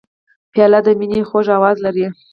پیاله د مینې خوږ آواز لري.